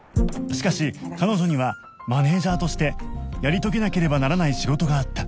しかし彼女にはマネージャーとしてやり遂げなければならない仕事があった